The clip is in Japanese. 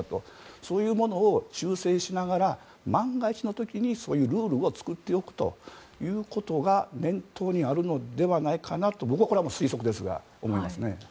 そういうものを修正しながら万が一の時にルールを作っておくということが念頭にあるのではないかなと僕の推測ですが、思います。